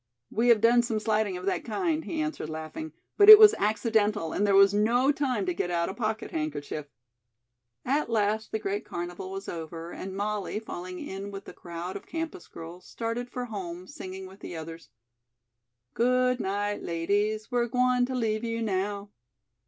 "We have done some sliding of that kind," he answered, laughing, "but it was accidental and there was no time to get out a pocket handkerchief." At last the great carnival was over, and Molly, falling in with a crowd of campus girls, started for home, singing with the others: "Good night, ladies, we're gwine to leave you now."